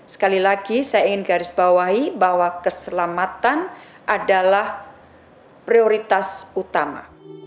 sekali lagi saya ingin garis bawahi bahwa keselamatan adalah prioritas utama